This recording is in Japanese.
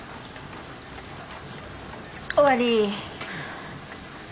終わり。